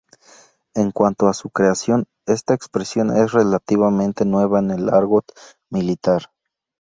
En cuanto a su creación, esta expresión es relativamente nueva en el argot militar.